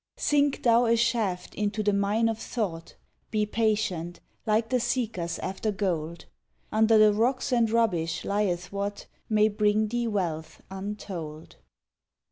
Sink thou a shaft into the mine of thought; Be patient, like the seekers after gold; Under the rocks and rubbish lieth what May bring thee wealth untold.